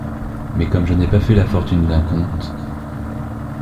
Mais comme je n’ai pas la fortune d’un comte